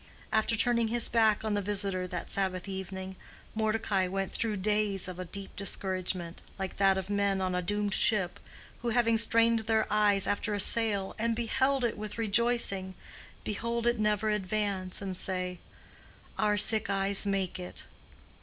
After turning his back on the visitor that Sabbath evening, Mordecai went through days of a deep discouragement, like that of men on a doomed ship, who having strained their eyes after a sail, and beheld it with rejoicing, behold it never advance, and say, "Our sick eyes make it."